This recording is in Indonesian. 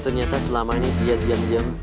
ternyata selama ini ia diam diam